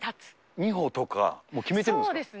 ２歩とか決めてるんですか。